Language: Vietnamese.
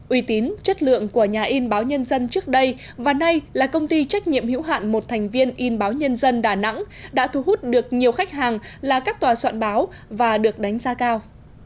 uy tín chất lượng của nhà in báo nhân dân trước đây và nay là công ty trách nhiệm hữu hạn một thành viên in báo nhân dân đà nẵng đã thu hút được nhiều khách hàng là các tòa soạn báo và được đánh giá cao